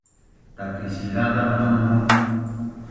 Takisilazan amu?